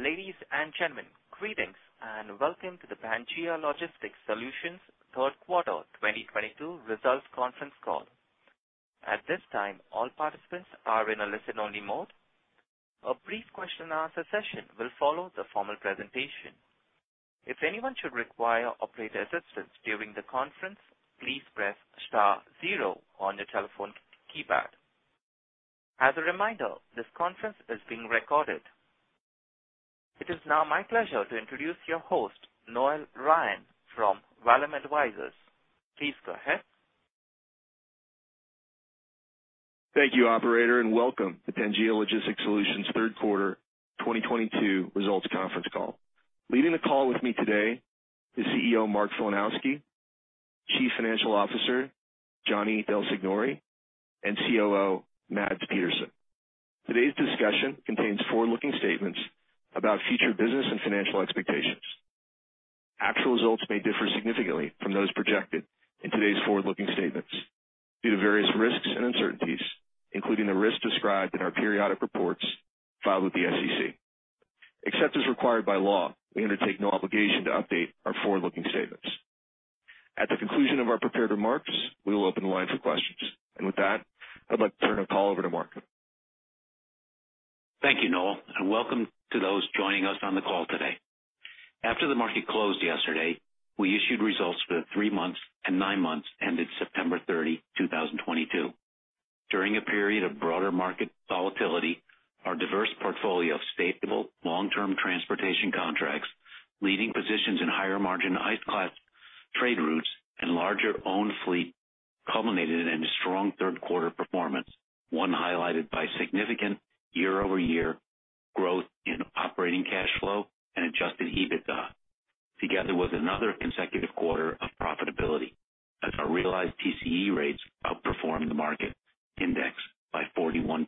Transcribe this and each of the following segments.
Ladies and gentlemen, greetings, and welcome to the Pangaea Logistics Solutions Third Quarter 2022 Results Conference Call. At this time, all participants are in a listen-only mode. A brief question and answer session will follow the formal presentation. If anyone should require operator assistance during the conference, please press star zero on your telephone keypad. As a reminder, this conference is being recorded. It is now my pleasure to introduce your host, Noel Ryan from Vallum Advisors. Please go ahead. Thank you, operator, and welcome to Pangaea Logistics Solutions third quarter 2022 results conference call. Leading the call with me today is CEO Mark Filanowski, Chief Financial Officer Gianni Del Signore, and COO Mads Petersen. Today's discussion contains forward-looking statements about future business and financial expectations. Actual results may differ significantly from those projected in today's forward-looking statements due to various risks and uncertainties, including the risks described in our periodic reports filed with the SEC. Except as required by law, we undertake no obligation to update our forward-looking statements. At the conclusion of our prepared remarks, we will open the line for questions. With that, I'd like to turn the call over to Mark. Thank you, Noel, and welcome to those joining us on the call today. After the market closed yesterday, we issued results for the three months and nine months ended September 30th, 2022. During a period of broader market volatility, our diverse portfolio of stable, long-term transportation contracts, leading positions in higher margin ice class trade routes, and larger owned fleet culminated in a strong third-quarter performance, one highlighted by significant YoY growth in operating cash flow and Adjusted EBITDA, together with another consecutive quarter of profitability as our realized TCE rates outperformed the market index by 41%.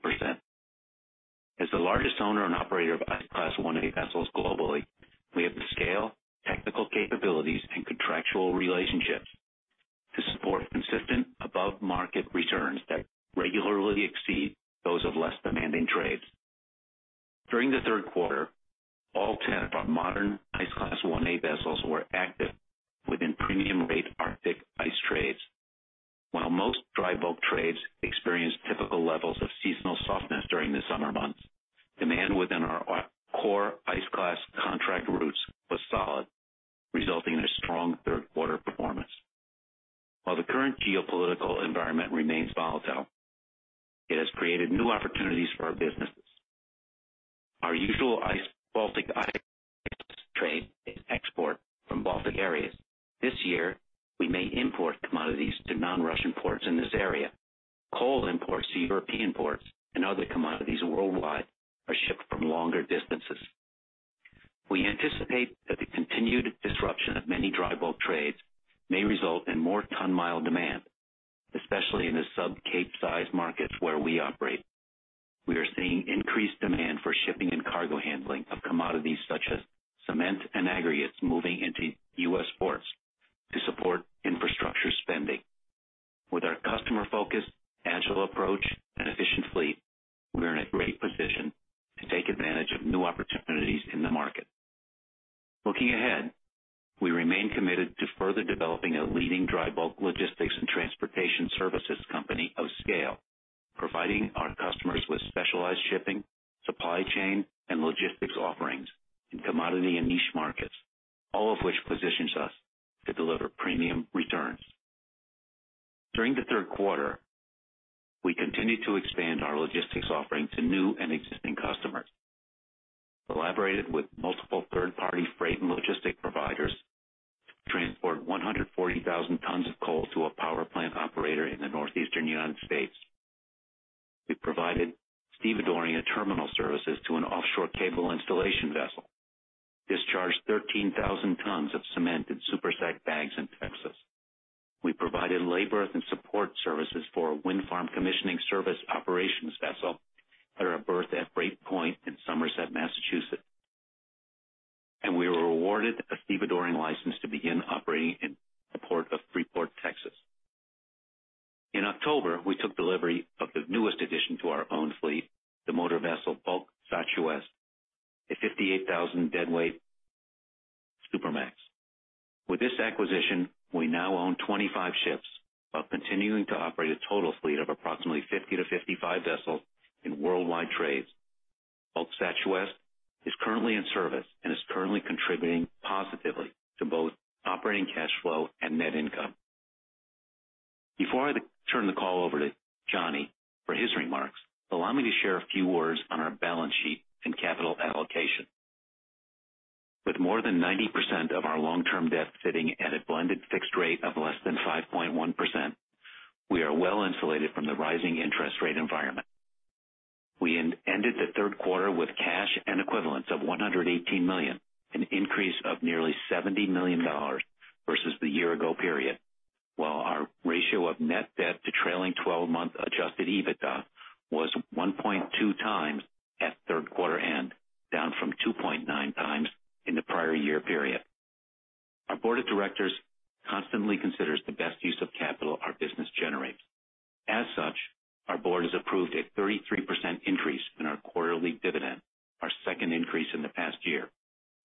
As the largest owner and operator of Ice Class 1A vessels globally, we have the scale, technical capabilities, and contractual relationships cement and aggregates moving into U.S. ports to support infrastructure spending. With our customer focus, agile approach, and efficient fleet, we are in a great position to take advantage of new opportunities in the market. Looking ahead, we remain committed to further developing a leading dry bulk logistics and transportation services company of scale, providing our customers with specialized shipping, supply chain, and logistics offerings in commodity and niche markets, all of which positions us to deliver premium returns. During the third quarter, we continued to expand our logistics offering to new and existing customers. We collaborated with multiple third-party freight and logistics providers to transport 140,000 tons of coal to a power plant operator in the northeastern United States. We provided stevedoring and terminal services to an offshore cable installation vessel. Discharged 13,000 tons of cement in super sack bags in Texas. We provided labor and support services for a wind farm commissioning service operations vessel that is berthed at Brayton Point in Somerset, Massachusetts. We were awarded a stevedoring license to begin operating in the port of Freeport, Texas. In October, we took delivery of the newest addition to our own fleet, the motor vessel Bulk Sachuest, a 58,000 deadweight Supramax. With this acquisition, we now own 25 ships while continuing to operate a total fleet of approximately 50-55 vessels in worldwide trades. Bulk Sachuest is currently in service and is currently contributing positively to both operating cash flow and net income. Before I turn the call over to Gianni for his remarks, allow me to share a few words on our balance sheet and capital allocation. With more than 90% of our long-term debt sitting at a blended fixed rate of less than 5.1%, we are well insulated from the rising interest rate environment. We ended the third quarter with cash and equivalents of $118 million, an increase of nearly $70 million versus the year-ago period. While our ratio of net debt to trailing 12-month Adjusted EBITDA was 1.2x at third-quarter end, down from 2.0x prior-year period. Our Board of Directors constantly considers the best use of capital our business generates. As such, our board has approved a 33% increase in our quarterly dividend, our second increase in the past year,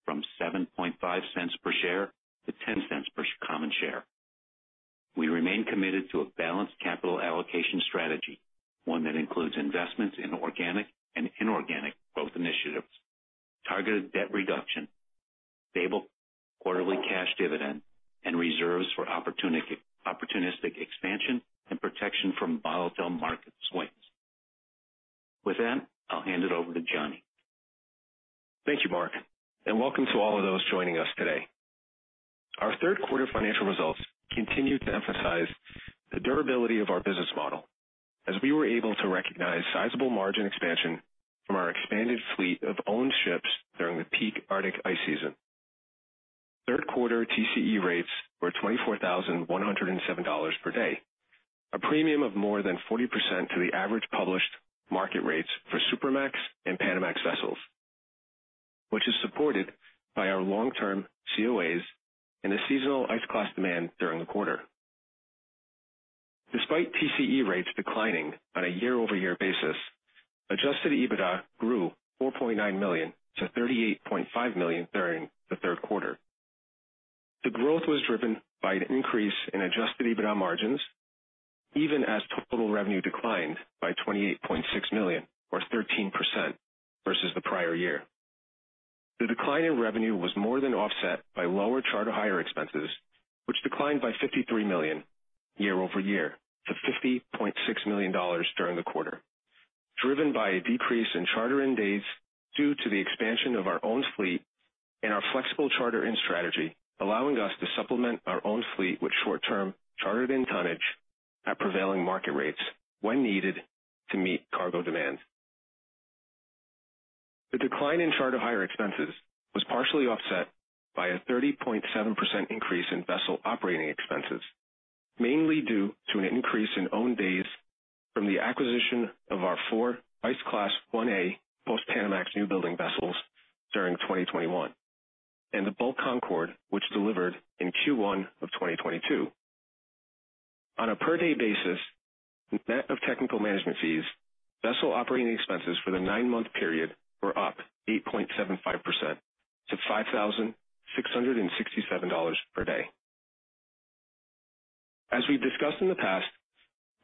from $0.75 per share to $0.10 per common share. We remain committed to a balanced capital allocation strategy, one that includes investments in organic and inorganic growth initiatives, targeted debt reduction, stable quarterly cash dividend, and reserves for opportunistic expansion and protection from volatile market swings. With that, I'll hand it over to Gianni. Thank you, Mark, and welcome to all of those joining us today. Our third quarter financial results continued to emphasize the durability of our business model as we were able to recognize sizable margin expansion from our expanded fleet of owned ships during the peak Arctic ice season. Third quarter TCE rates were $24,107 per day, a premium of more than 40% to the average published market rates for Supramax and Panamax vessels, which is supported by our long-term COAs and the seasonal ice class demand during the quarter. Despite TCE rates declining on a YoY basis, Adjusted EBITDA grew $4.9 million-$38.5 million during the third quarter. The growth was driven by an increase in Adjusted EBITDA margins, even as total revenue declined by $28.6 million or 13% versus the prior year. The decline in revenue was more than offset by lower charter hire expenses, which declined by $53 million YoY to $50.6 million during the quarter, driven by a decrease in charter-in days due to the expansion of our own fleet and our flexible charter-in strategy, allowing us to supplement our own fleet with short-term chartered-in tonnage at prevailing market rates when needed to meet cargo demand. The decline in charter hire expenses was partially offset by a 30.7% increase in vessel operating expenses, mainly due to an increase in owned days from the acquisition of our 4 Ice Class 1A post-Panamax new building vessels during 2021, and the Bulk Concord, which delivered in Q1 of 2022. On a per-day basis, net of technical management fees, vessel operating expenses for the nine-month period were up 8.75% to $5,667 per day. As we've discussed in the past,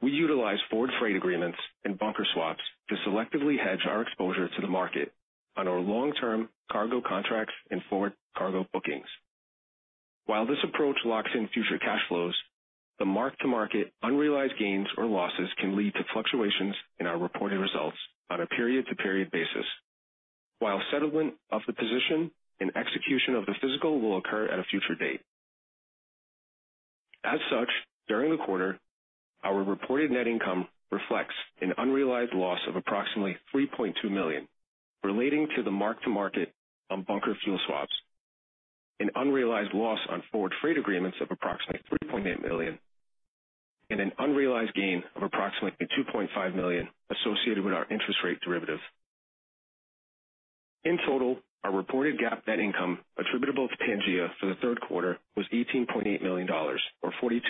we utilize forward freight agreements and bunker swaps to selectively hedge our exposure to the market on our long-term cargo contracts and forward cargo bookings. While this approach locks in future cash flows, the mark-to-market unrealized gains or losses can lead to fluctuations in our reported results on a period-to-period basis. While settlement of the position and execution of the physical will occur at a future date. As such, during the quarter, our reported net income reflects an unrealized loss of approximately $3.2 million relating to the mark-to-market on bunker fuel swaps, an unrealized loss on forward freight agreements of approximately $3.8 million, and an unrealized gain of approximately $2.5 million associated with our interest rate derivative. In total, our reported GAAP net income attributable to Pangaea for the third quarter was $18.8 million, or $0.42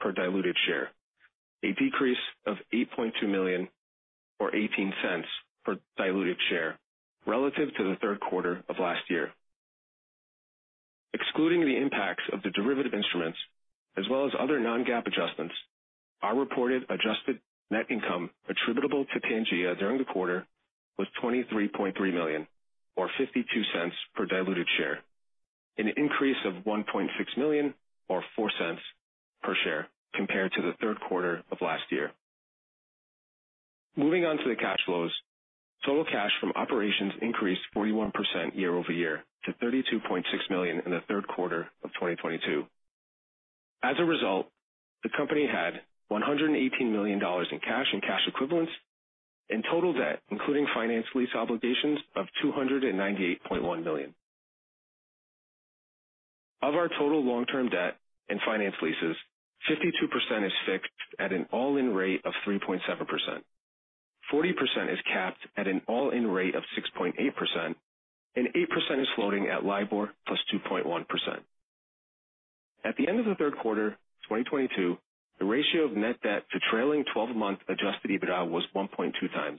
per diluted share, a decrease of $8.2 million or $0.18 per diluted share relative to the third quarter of last year. Excluding the impacts of the derivative instruments as well as other non-GAAP adjustments, our reported Adjusted net income attributable to Pangaea during the quarter was $23.3 million or $0.52 per diluted share, an increase of $1.6 million or $0.04 per share compared to the third quarter of last year. Moving on to the cash flows. Total cash from operations increased 41% YoY to $32.6 million in the third quarter of 2022. As a result, the company had $118 million in cash and cash equivalents and total debt, including finance lease obligations of $298.1 million. Of our total long-term debt and finance leases, 52% is fixed at an all-in rate of 3.7%. 40% is capped at an all-in rate of 6.8%, and 8% is floating at LIBOR + 2.1%. At the end of the third quarter, 2022, the ratio of net debt to trailing 12-month Adjusted EBITDA was 1.2x.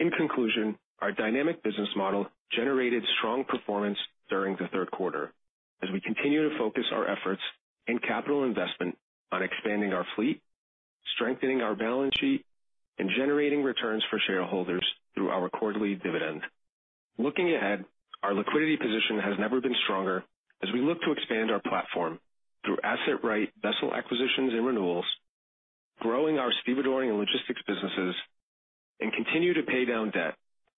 In conclusion, our dynamic business model generated strong performance during the third quarter as we continue to focus our efforts and capital investment on expanding our fleet, strengthening our balance sheet and generating returns for shareholders through our quarterly dividend. Looking ahead, our liquidity position has never been stronger as we look to expand our platform through asset-light vessel acquisitions and renewals, growing our stevedoring and logistics businesses and continue to pay down debt,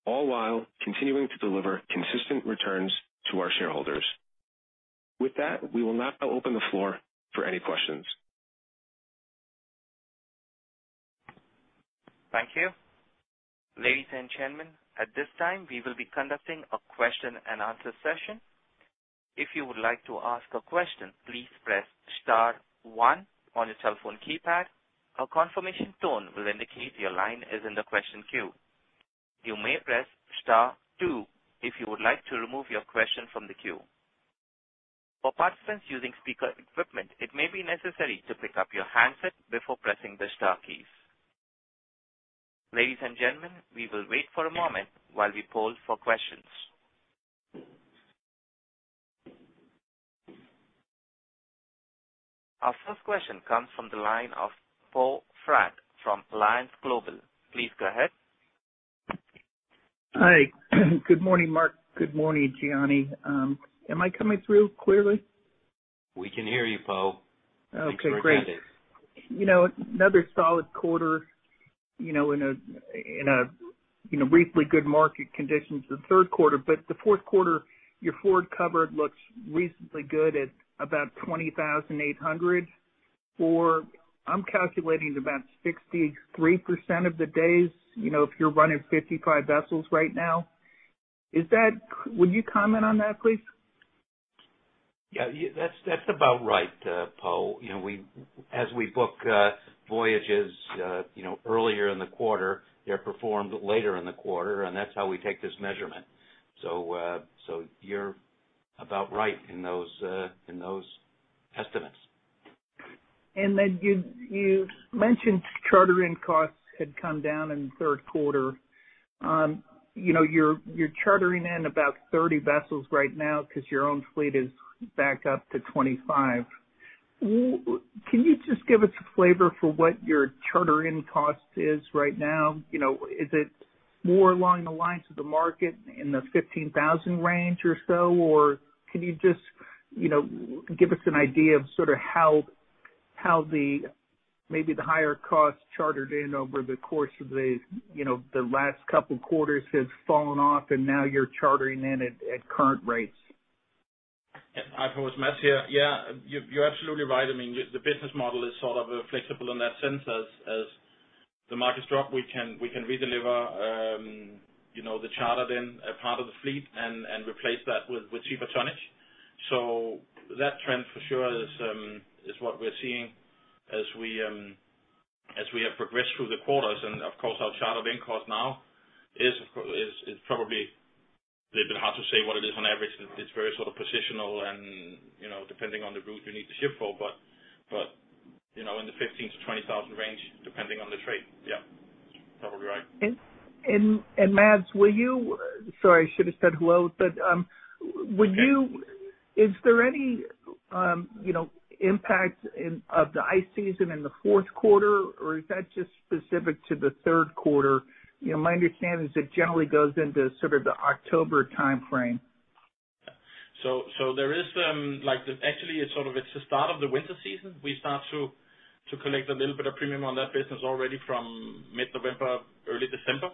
all while continuing to deliver consistent returns to our shareholders. With that, we will now open the floor for any questions. Thank you. Ladies and gentlemen, at this time we will be conducting a question and answer session. If you would like to ask a question, please press star one on your telephone keypad. A confirmation tone will indicate your line is in the question queue. You may press star two if you would like to remove your question from the queue. For participants using speaker equipment, it may be necessary to pick up your handset before pressing the star keys. Ladies and gentlemen, we will wait for a moment while we poll for questions. Our first question comes from the line of Poe Fratt from Alliance Global. Please go ahead. Hi. Good morning, Mark. Good morning, Gianni. Am I coming through clearly? We can hear you, Poe. Okay, great. Thanks for attending. You know, another solid quarter, you know, relatively good market conditions in the third quarter. The fourth quarter, your forward cover looks reasonably good at about 20,800 or I'm calculating about 63% of the days, you know, if you're running 55 vessels right now. Would you comment on that, please? Yeah, that's about right, Poe. You know, as we book voyages, you know, earlier in the quarter, they're performed later in the quarter, and that's how we take this measurement. You're about right in those estimates. You mentioned charter-in costs had come down in the third quarter. You know, you're chartering in about 30 vessels right now 'cause your own fleet is back up to 25. Can you just give us a flavor for what your charter-in cost is right now? You know, is it more along the lines of the market in the $15,000 range or so? Or can you just, you know, give us an idea of sort of how the, maybe the higher costs chartered in over the course of the, you know, the last couple quarters has fallen off and now you're chartering in at current rates? Yeah. Hi, Poe. It's Mads here. Yeah, you're absolutely right. I mean, the business model is sort of flexible in that sense. As the markets drop, we can redeliver, you know, the charters on a part of the fleet and replace that with cheaper tonnage. That trend for sure is what we're seeing as we have progressed through the quarters. Of course, our charter-in cost now is probably a little bit hard to say what it is on average. It's very sort of positional and, you know, depending on the route you need to ship for, but you know, in the $15,000-$20,000 range, depending on the trade. Yeah, probably right. Sorry, I should have said hello. Would you It's okay. Is there any, you know, impact of the ice season in the fourth quarter, or is that just specific to the third quarter? You know, my understanding is it generally goes into sort of the October timeframe. Actually, it's sort of the start of the winter season. We start to collect a little bit of premium on that business already from mid-November, early December,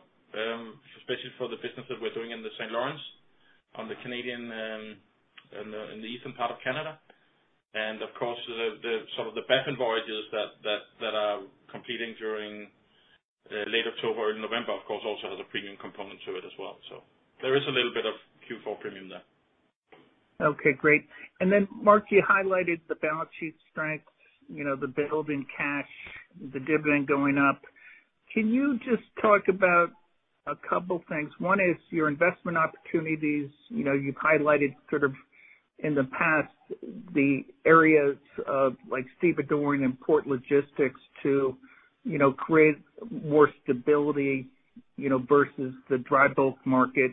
especially for the business that we're doing in the St. Lawrence on the Canadian, in the eastern part of Canada. Of course, the sort of the basin voyages that are competing during late October and November of course also has a premium component to it as well. There is a little bit of Q4 premium there. Okay, great. And then Mark, you highlighted the balance sheet strength, you know, the build in cash, the dividend going up. Can you just talk about a couple things? One is your investment opportunities. You know, you've highlighted sort of in the past the areas of like seaborne trading and port logistics to, you know, create more stability, you know, versus the dry bulk market.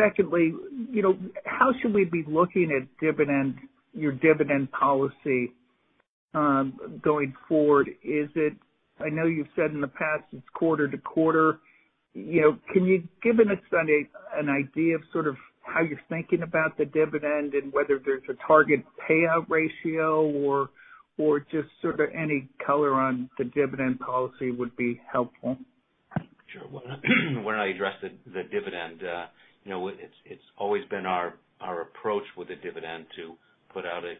Secondly, you know, how should we be looking at dividend, your dividend policy going forward? I know you've said in the past it's quarter to quarter. You know, can you give us an idea of sort of how you're thinking about the dividend and whether there's a target payout ratio or just sort of any color on the dividend policy would be helpful. Sure. Why don't I address the dividend? You know, it's always been our approach with the dividend to put out a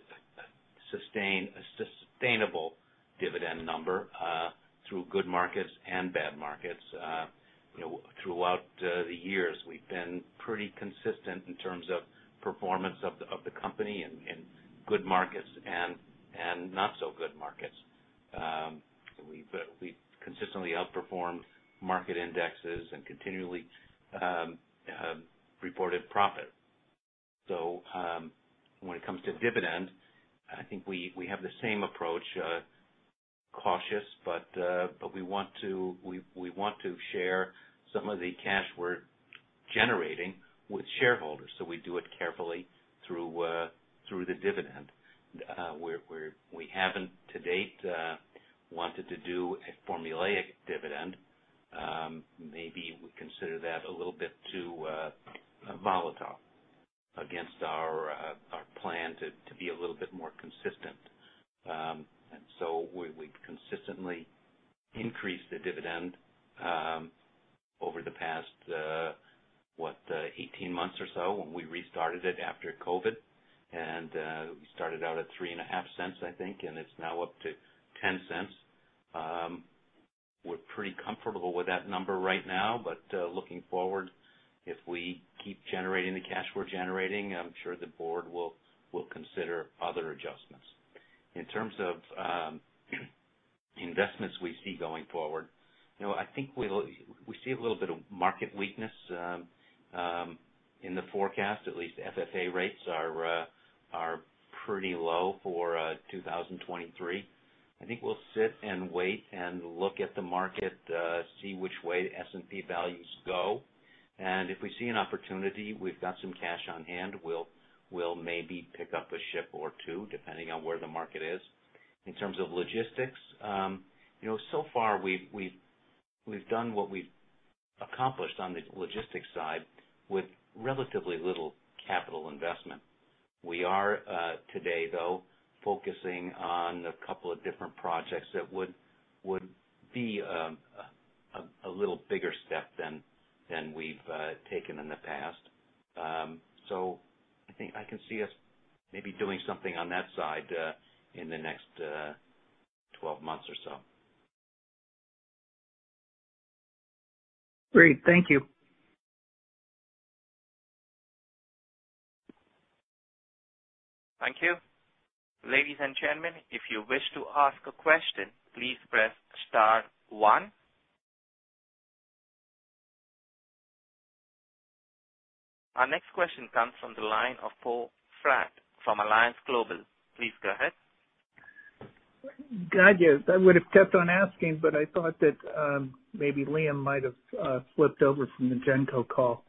sustainable dividend number through good markets and bad markets. You know, throughout the years, we've been pretty consistent in terms of performance of the company in good markets and not so good markets. We've consistently outperformed market indexes and continually reported profit. When it comes to dividend, I think we have the same approach, cautious, but we want to share some of the cash we're generating with shareholders, so we do it carefully through the dividend. We haven't to date wanted to do a formulaic dividend. Maybe we consider that a little bit too volatile against our plan to be a little bit more consistent. We consistently increase the dividend over the past 18 months or so when we restarted it after COVID. We started out at $0.035, I think, and it's now up to $0.10. We're pretty comfortable with that number right now, but looking forward, if we keep generating the cash we're generating, I'm sure the board will consider other adjustments. In terms of investments we see going forward, you know, I think we see a little bit of market weakness in the forecast. At least FFA rates are pretty low for 2023. I think we'll sit and wait and look at the market, see which way the S&P values go. If we see an opportunity, we've got some cash on hand, we'll maybe pick up a ship or two, depending on where the market is. In terms of logistics, you know, so far we've done what we've accomplished on the logistics side with relatively little capital investment. We are today, though, focusing on a couple of different projects that would be a little bigger step than we've taken in the past. I think I can see us maybe doing something on that side in the next 12 months or so. Great. Thank you. Thank you. Ladies and gentlemen, if you wish to ask a question, please press star one. Our next question comes from the line of Poe Fratt from Alliance Global Partners. Please go ahead. Got you. I would have kept on asking, but I thought that maybe Liam might have flipped over from the Genco call.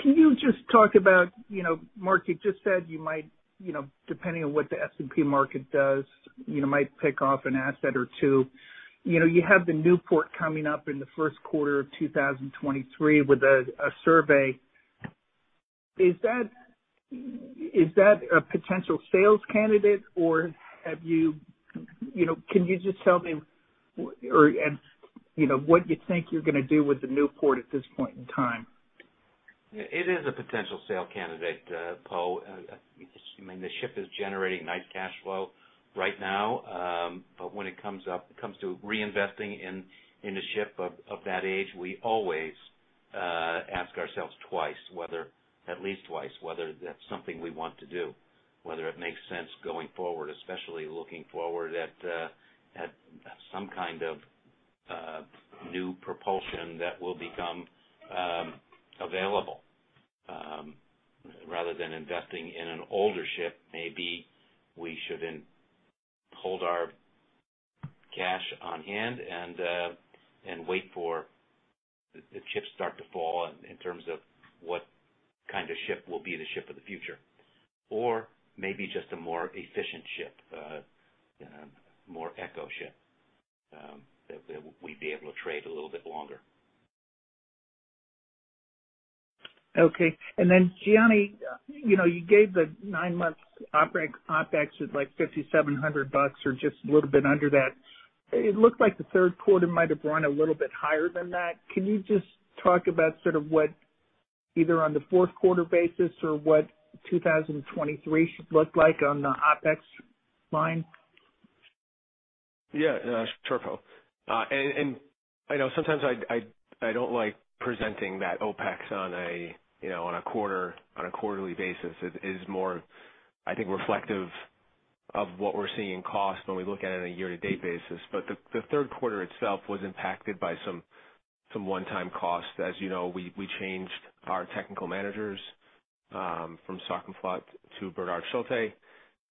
Can you just talk about, you know, Mark, you just said you might, you know, depending on what the S&P market does, you know, might pick off an asset or two. You know, you have the Newport coming up in the first quarter of 2023 with a survey. Is that a potential sales candidate or have you know? Can you just tell me, and you know, what you think you're gonna do with the Newport at this point in time? It is a potential sale candidate, Poe Fratt. I mean, the ship is generating nice cash flow right now. When it comes to reinvesting in a ship of that age, we always ask ourselves at least twice whether that's something we want to do, whether it makes sense going forward, especially looking forward at some kind of new propulsion that will become available. Rather than investing in an older ship, maybe we should then hold our cash on hand and wait for the chips start to fall in terms of what kind of ship will be the ship of the future. Maybe just a more efficient ship, more eco ship, that we'd be able to trade a little bit longer. Okay. Gianni, you know, you gave the nine months OpEx at, like, $5,700 or just a little bit under that. It looks like the third quarter might have run a little bit higher than that. Can you just talk about sort of what either on the fourth quarter basis or what 2023 should look like on the OpEx line? Yeah, sure, Poe. I know sometimes I don't like presenting that OpEx on a quarterly basis. It is more, I think, reflective of what we're seeing in cost when we look at it on a year-to-date basis. The third quarter itself was impacted by some one-time costs. As you know, we changed our technical managers from Sovcomflot to Bernhard Schulte.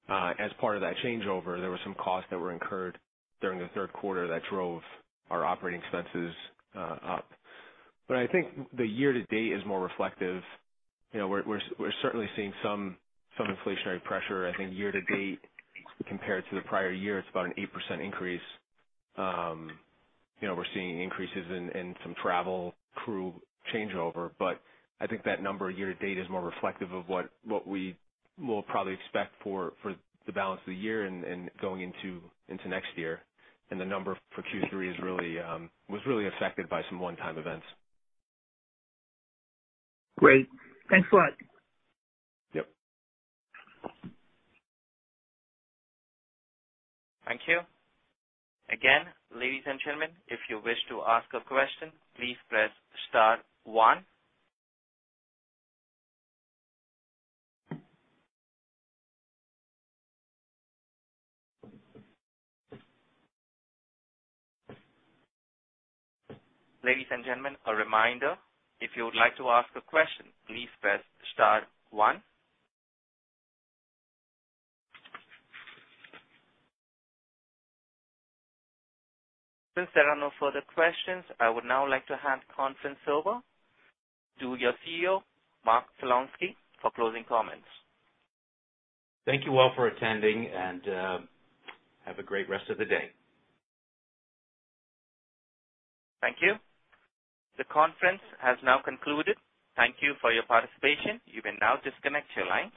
As part of that changeover, there were some costs that were incurred during the third quarter that drove our operating expenses up. I think the year-to-date is more reflective. You know, we're certainly seeing some inflationary pressure. I think year-to-date, compared to the prior year, it's about an 8% increase. You know, we're seeing increases in some travel crew changeover, but I think that number year to date is more reflective of what we will probably expect for the balance of the year and going into next year. The number for Q3 was really affected by some one-time events. Great. Thanks a lot. Yep. Thank you. Again, ladies and gentlemen, if you wish to ask a question, please press star one. Ladies and gentlemen, a reminder, if you would like to ask a question, please press star one. Since there are no further questions, I would now like to hand the conference over to your CEO, Mark Filanowski, for closing comments. Thank you all for attending, and have a great rest of the day. Thank you. The conference has now concluded. Thank you for your participation. You may now disconnect your lines.